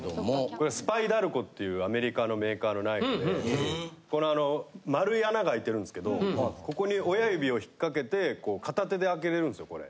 これはスパイダルコっていうアメリカのメーカーのナイフでこのあの丸い穴があいてるんですけどここに親指を引っかけてこう片手であけれるんですよこれ。